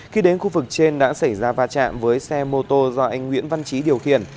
khi đến khu vực trên đã xảy ra va chạm với xe mô tô do anh nguyễn văn trí điều khiển